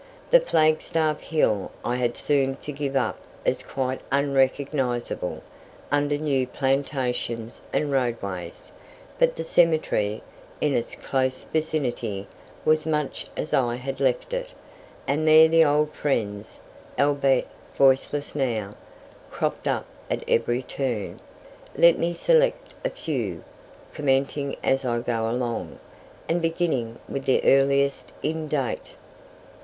The Flagstaff Hill I had soon to give up as quite unrecognizable under new plantations and roadways, but the cemetery, in its close vicinity, was much as I had left it, and there the old friends, albeit voiceless now, cropped up at every turn. Let me select a few, commenting as I go along, and beginning with the earliest in date.